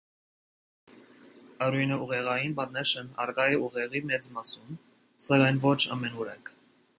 Արյունաուղեղային պատնեշն առկա է ուղեղի մեծ մասում, սակայն ոչ ամենուրեք։